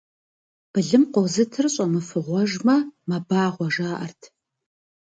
Былым къозытыр щӏэмыфыгъуэжмэ, мэбагъуэ жаӏэрт.